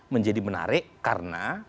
menjadi menarik karena